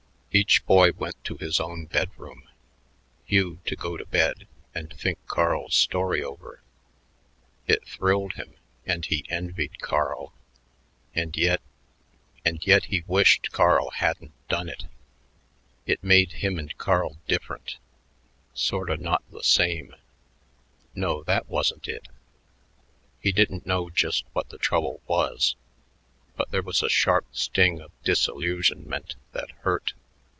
Each boy went to his own bedroom, Hugh to go to bed and think Carl's story over. It thrilled him, and he envied Carl, and yet and yet he wished Carl hadn't done it. It made him and Carl different sorta not the same; no that wasn't it. He didn't know just what the trouble was, but there was a sharp sting of disillusionment that hurt.